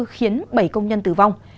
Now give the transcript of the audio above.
khiến bảy công nhân tử vong